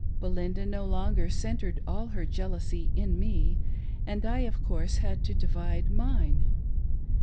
Belinda no longer centred all her jealousy in me, and I, of course, had to divide mine.